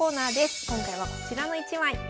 今回はこちらの１枚。